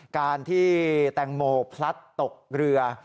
การที่แตงโมพลัดตกเรือ